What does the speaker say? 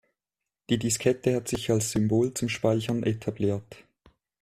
Die Diskette hat sich als Symbol zum Speichern etabliert.